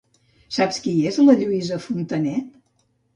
Saps qui és la Lluïsa Fontanet?